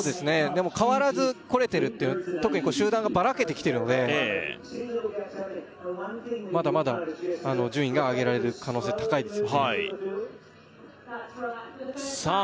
でも変わらず来れてるっていう特に集団がばらけてきてるのでまだまだ順位が上げられる可能性高いですよさあ